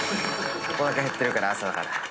おなか減ってるから朝だから」